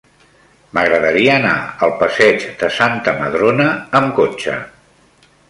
M'agradaria anar al passeig de Santa Madrona amb cotxe.